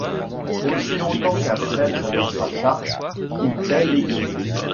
Aussi longtemps qu’un prêtre est dans sa charge, il paît l’Église.